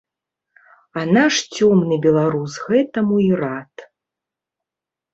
А наш цёмны беларус гэтаму і рад.